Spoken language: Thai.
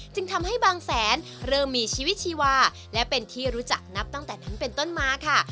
จึงทำให้บางแสนเริ่มมีชีวิตชีวาและเป็นที่รู้จักนับตั้งแต่นั้นเป็นต้นมาค่ะ